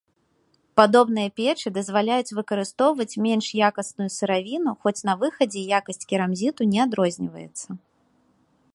Падобныя печы дазваляюць выкарыстоўваць менш якасную сыравіну, хоць на выхадзе якасць керамзіту не адрозніваецца.